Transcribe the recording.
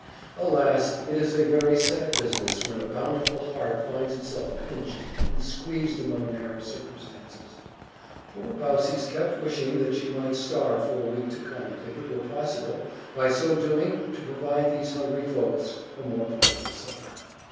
Alas! it is a very sad business, when a bountiful heart finds itself pinched and squeezed among narrow circumstances. Poor Baucis kept wishing that she might starve for a week to come, if it were possible, by so doing, to provide these hungry folks a more plentiful supper.